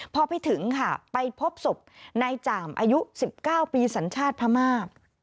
พอไปถึงค่ะไปพบศพนายจ่ามอายุ๑๙ปีสัญชาติพม่า